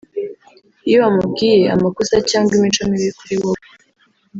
Iyo bamubwiye amakosa cyangwa imico mibi kuri wowe